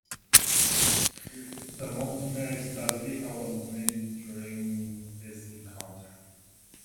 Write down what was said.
The Mount Mary's Basilica was damaged during this encounter.